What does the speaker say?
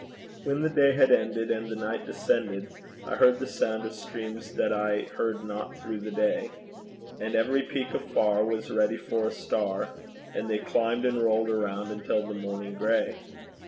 When the day had ended, And the night descended, I heard the sound of streams that I heard not through the day And every peak afar, Was ready for a star, And they climbed and rolled around until the morning gray.